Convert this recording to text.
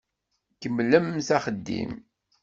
Kemmlemt axeddim!